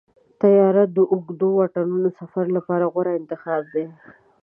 طیاره د اوږدو واټنونو سفر لپاره غوره انتخاب دی.